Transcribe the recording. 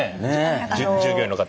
従業員の方で？